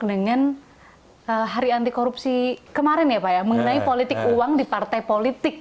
dengan hari anti korupsi kemarin ya pak ya mengenai politik uang di partai politik